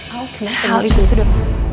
al kenapa ini sudah